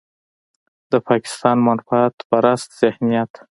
د پاکستان منفعت پرست ذهنيت.